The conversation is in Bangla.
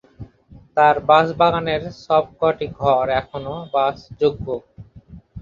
তার বাসভবনের সব কটি ঘর এখনো বাসযোগ্য।